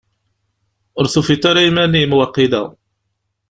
Ur tufiḍ ara iman-im, waqila?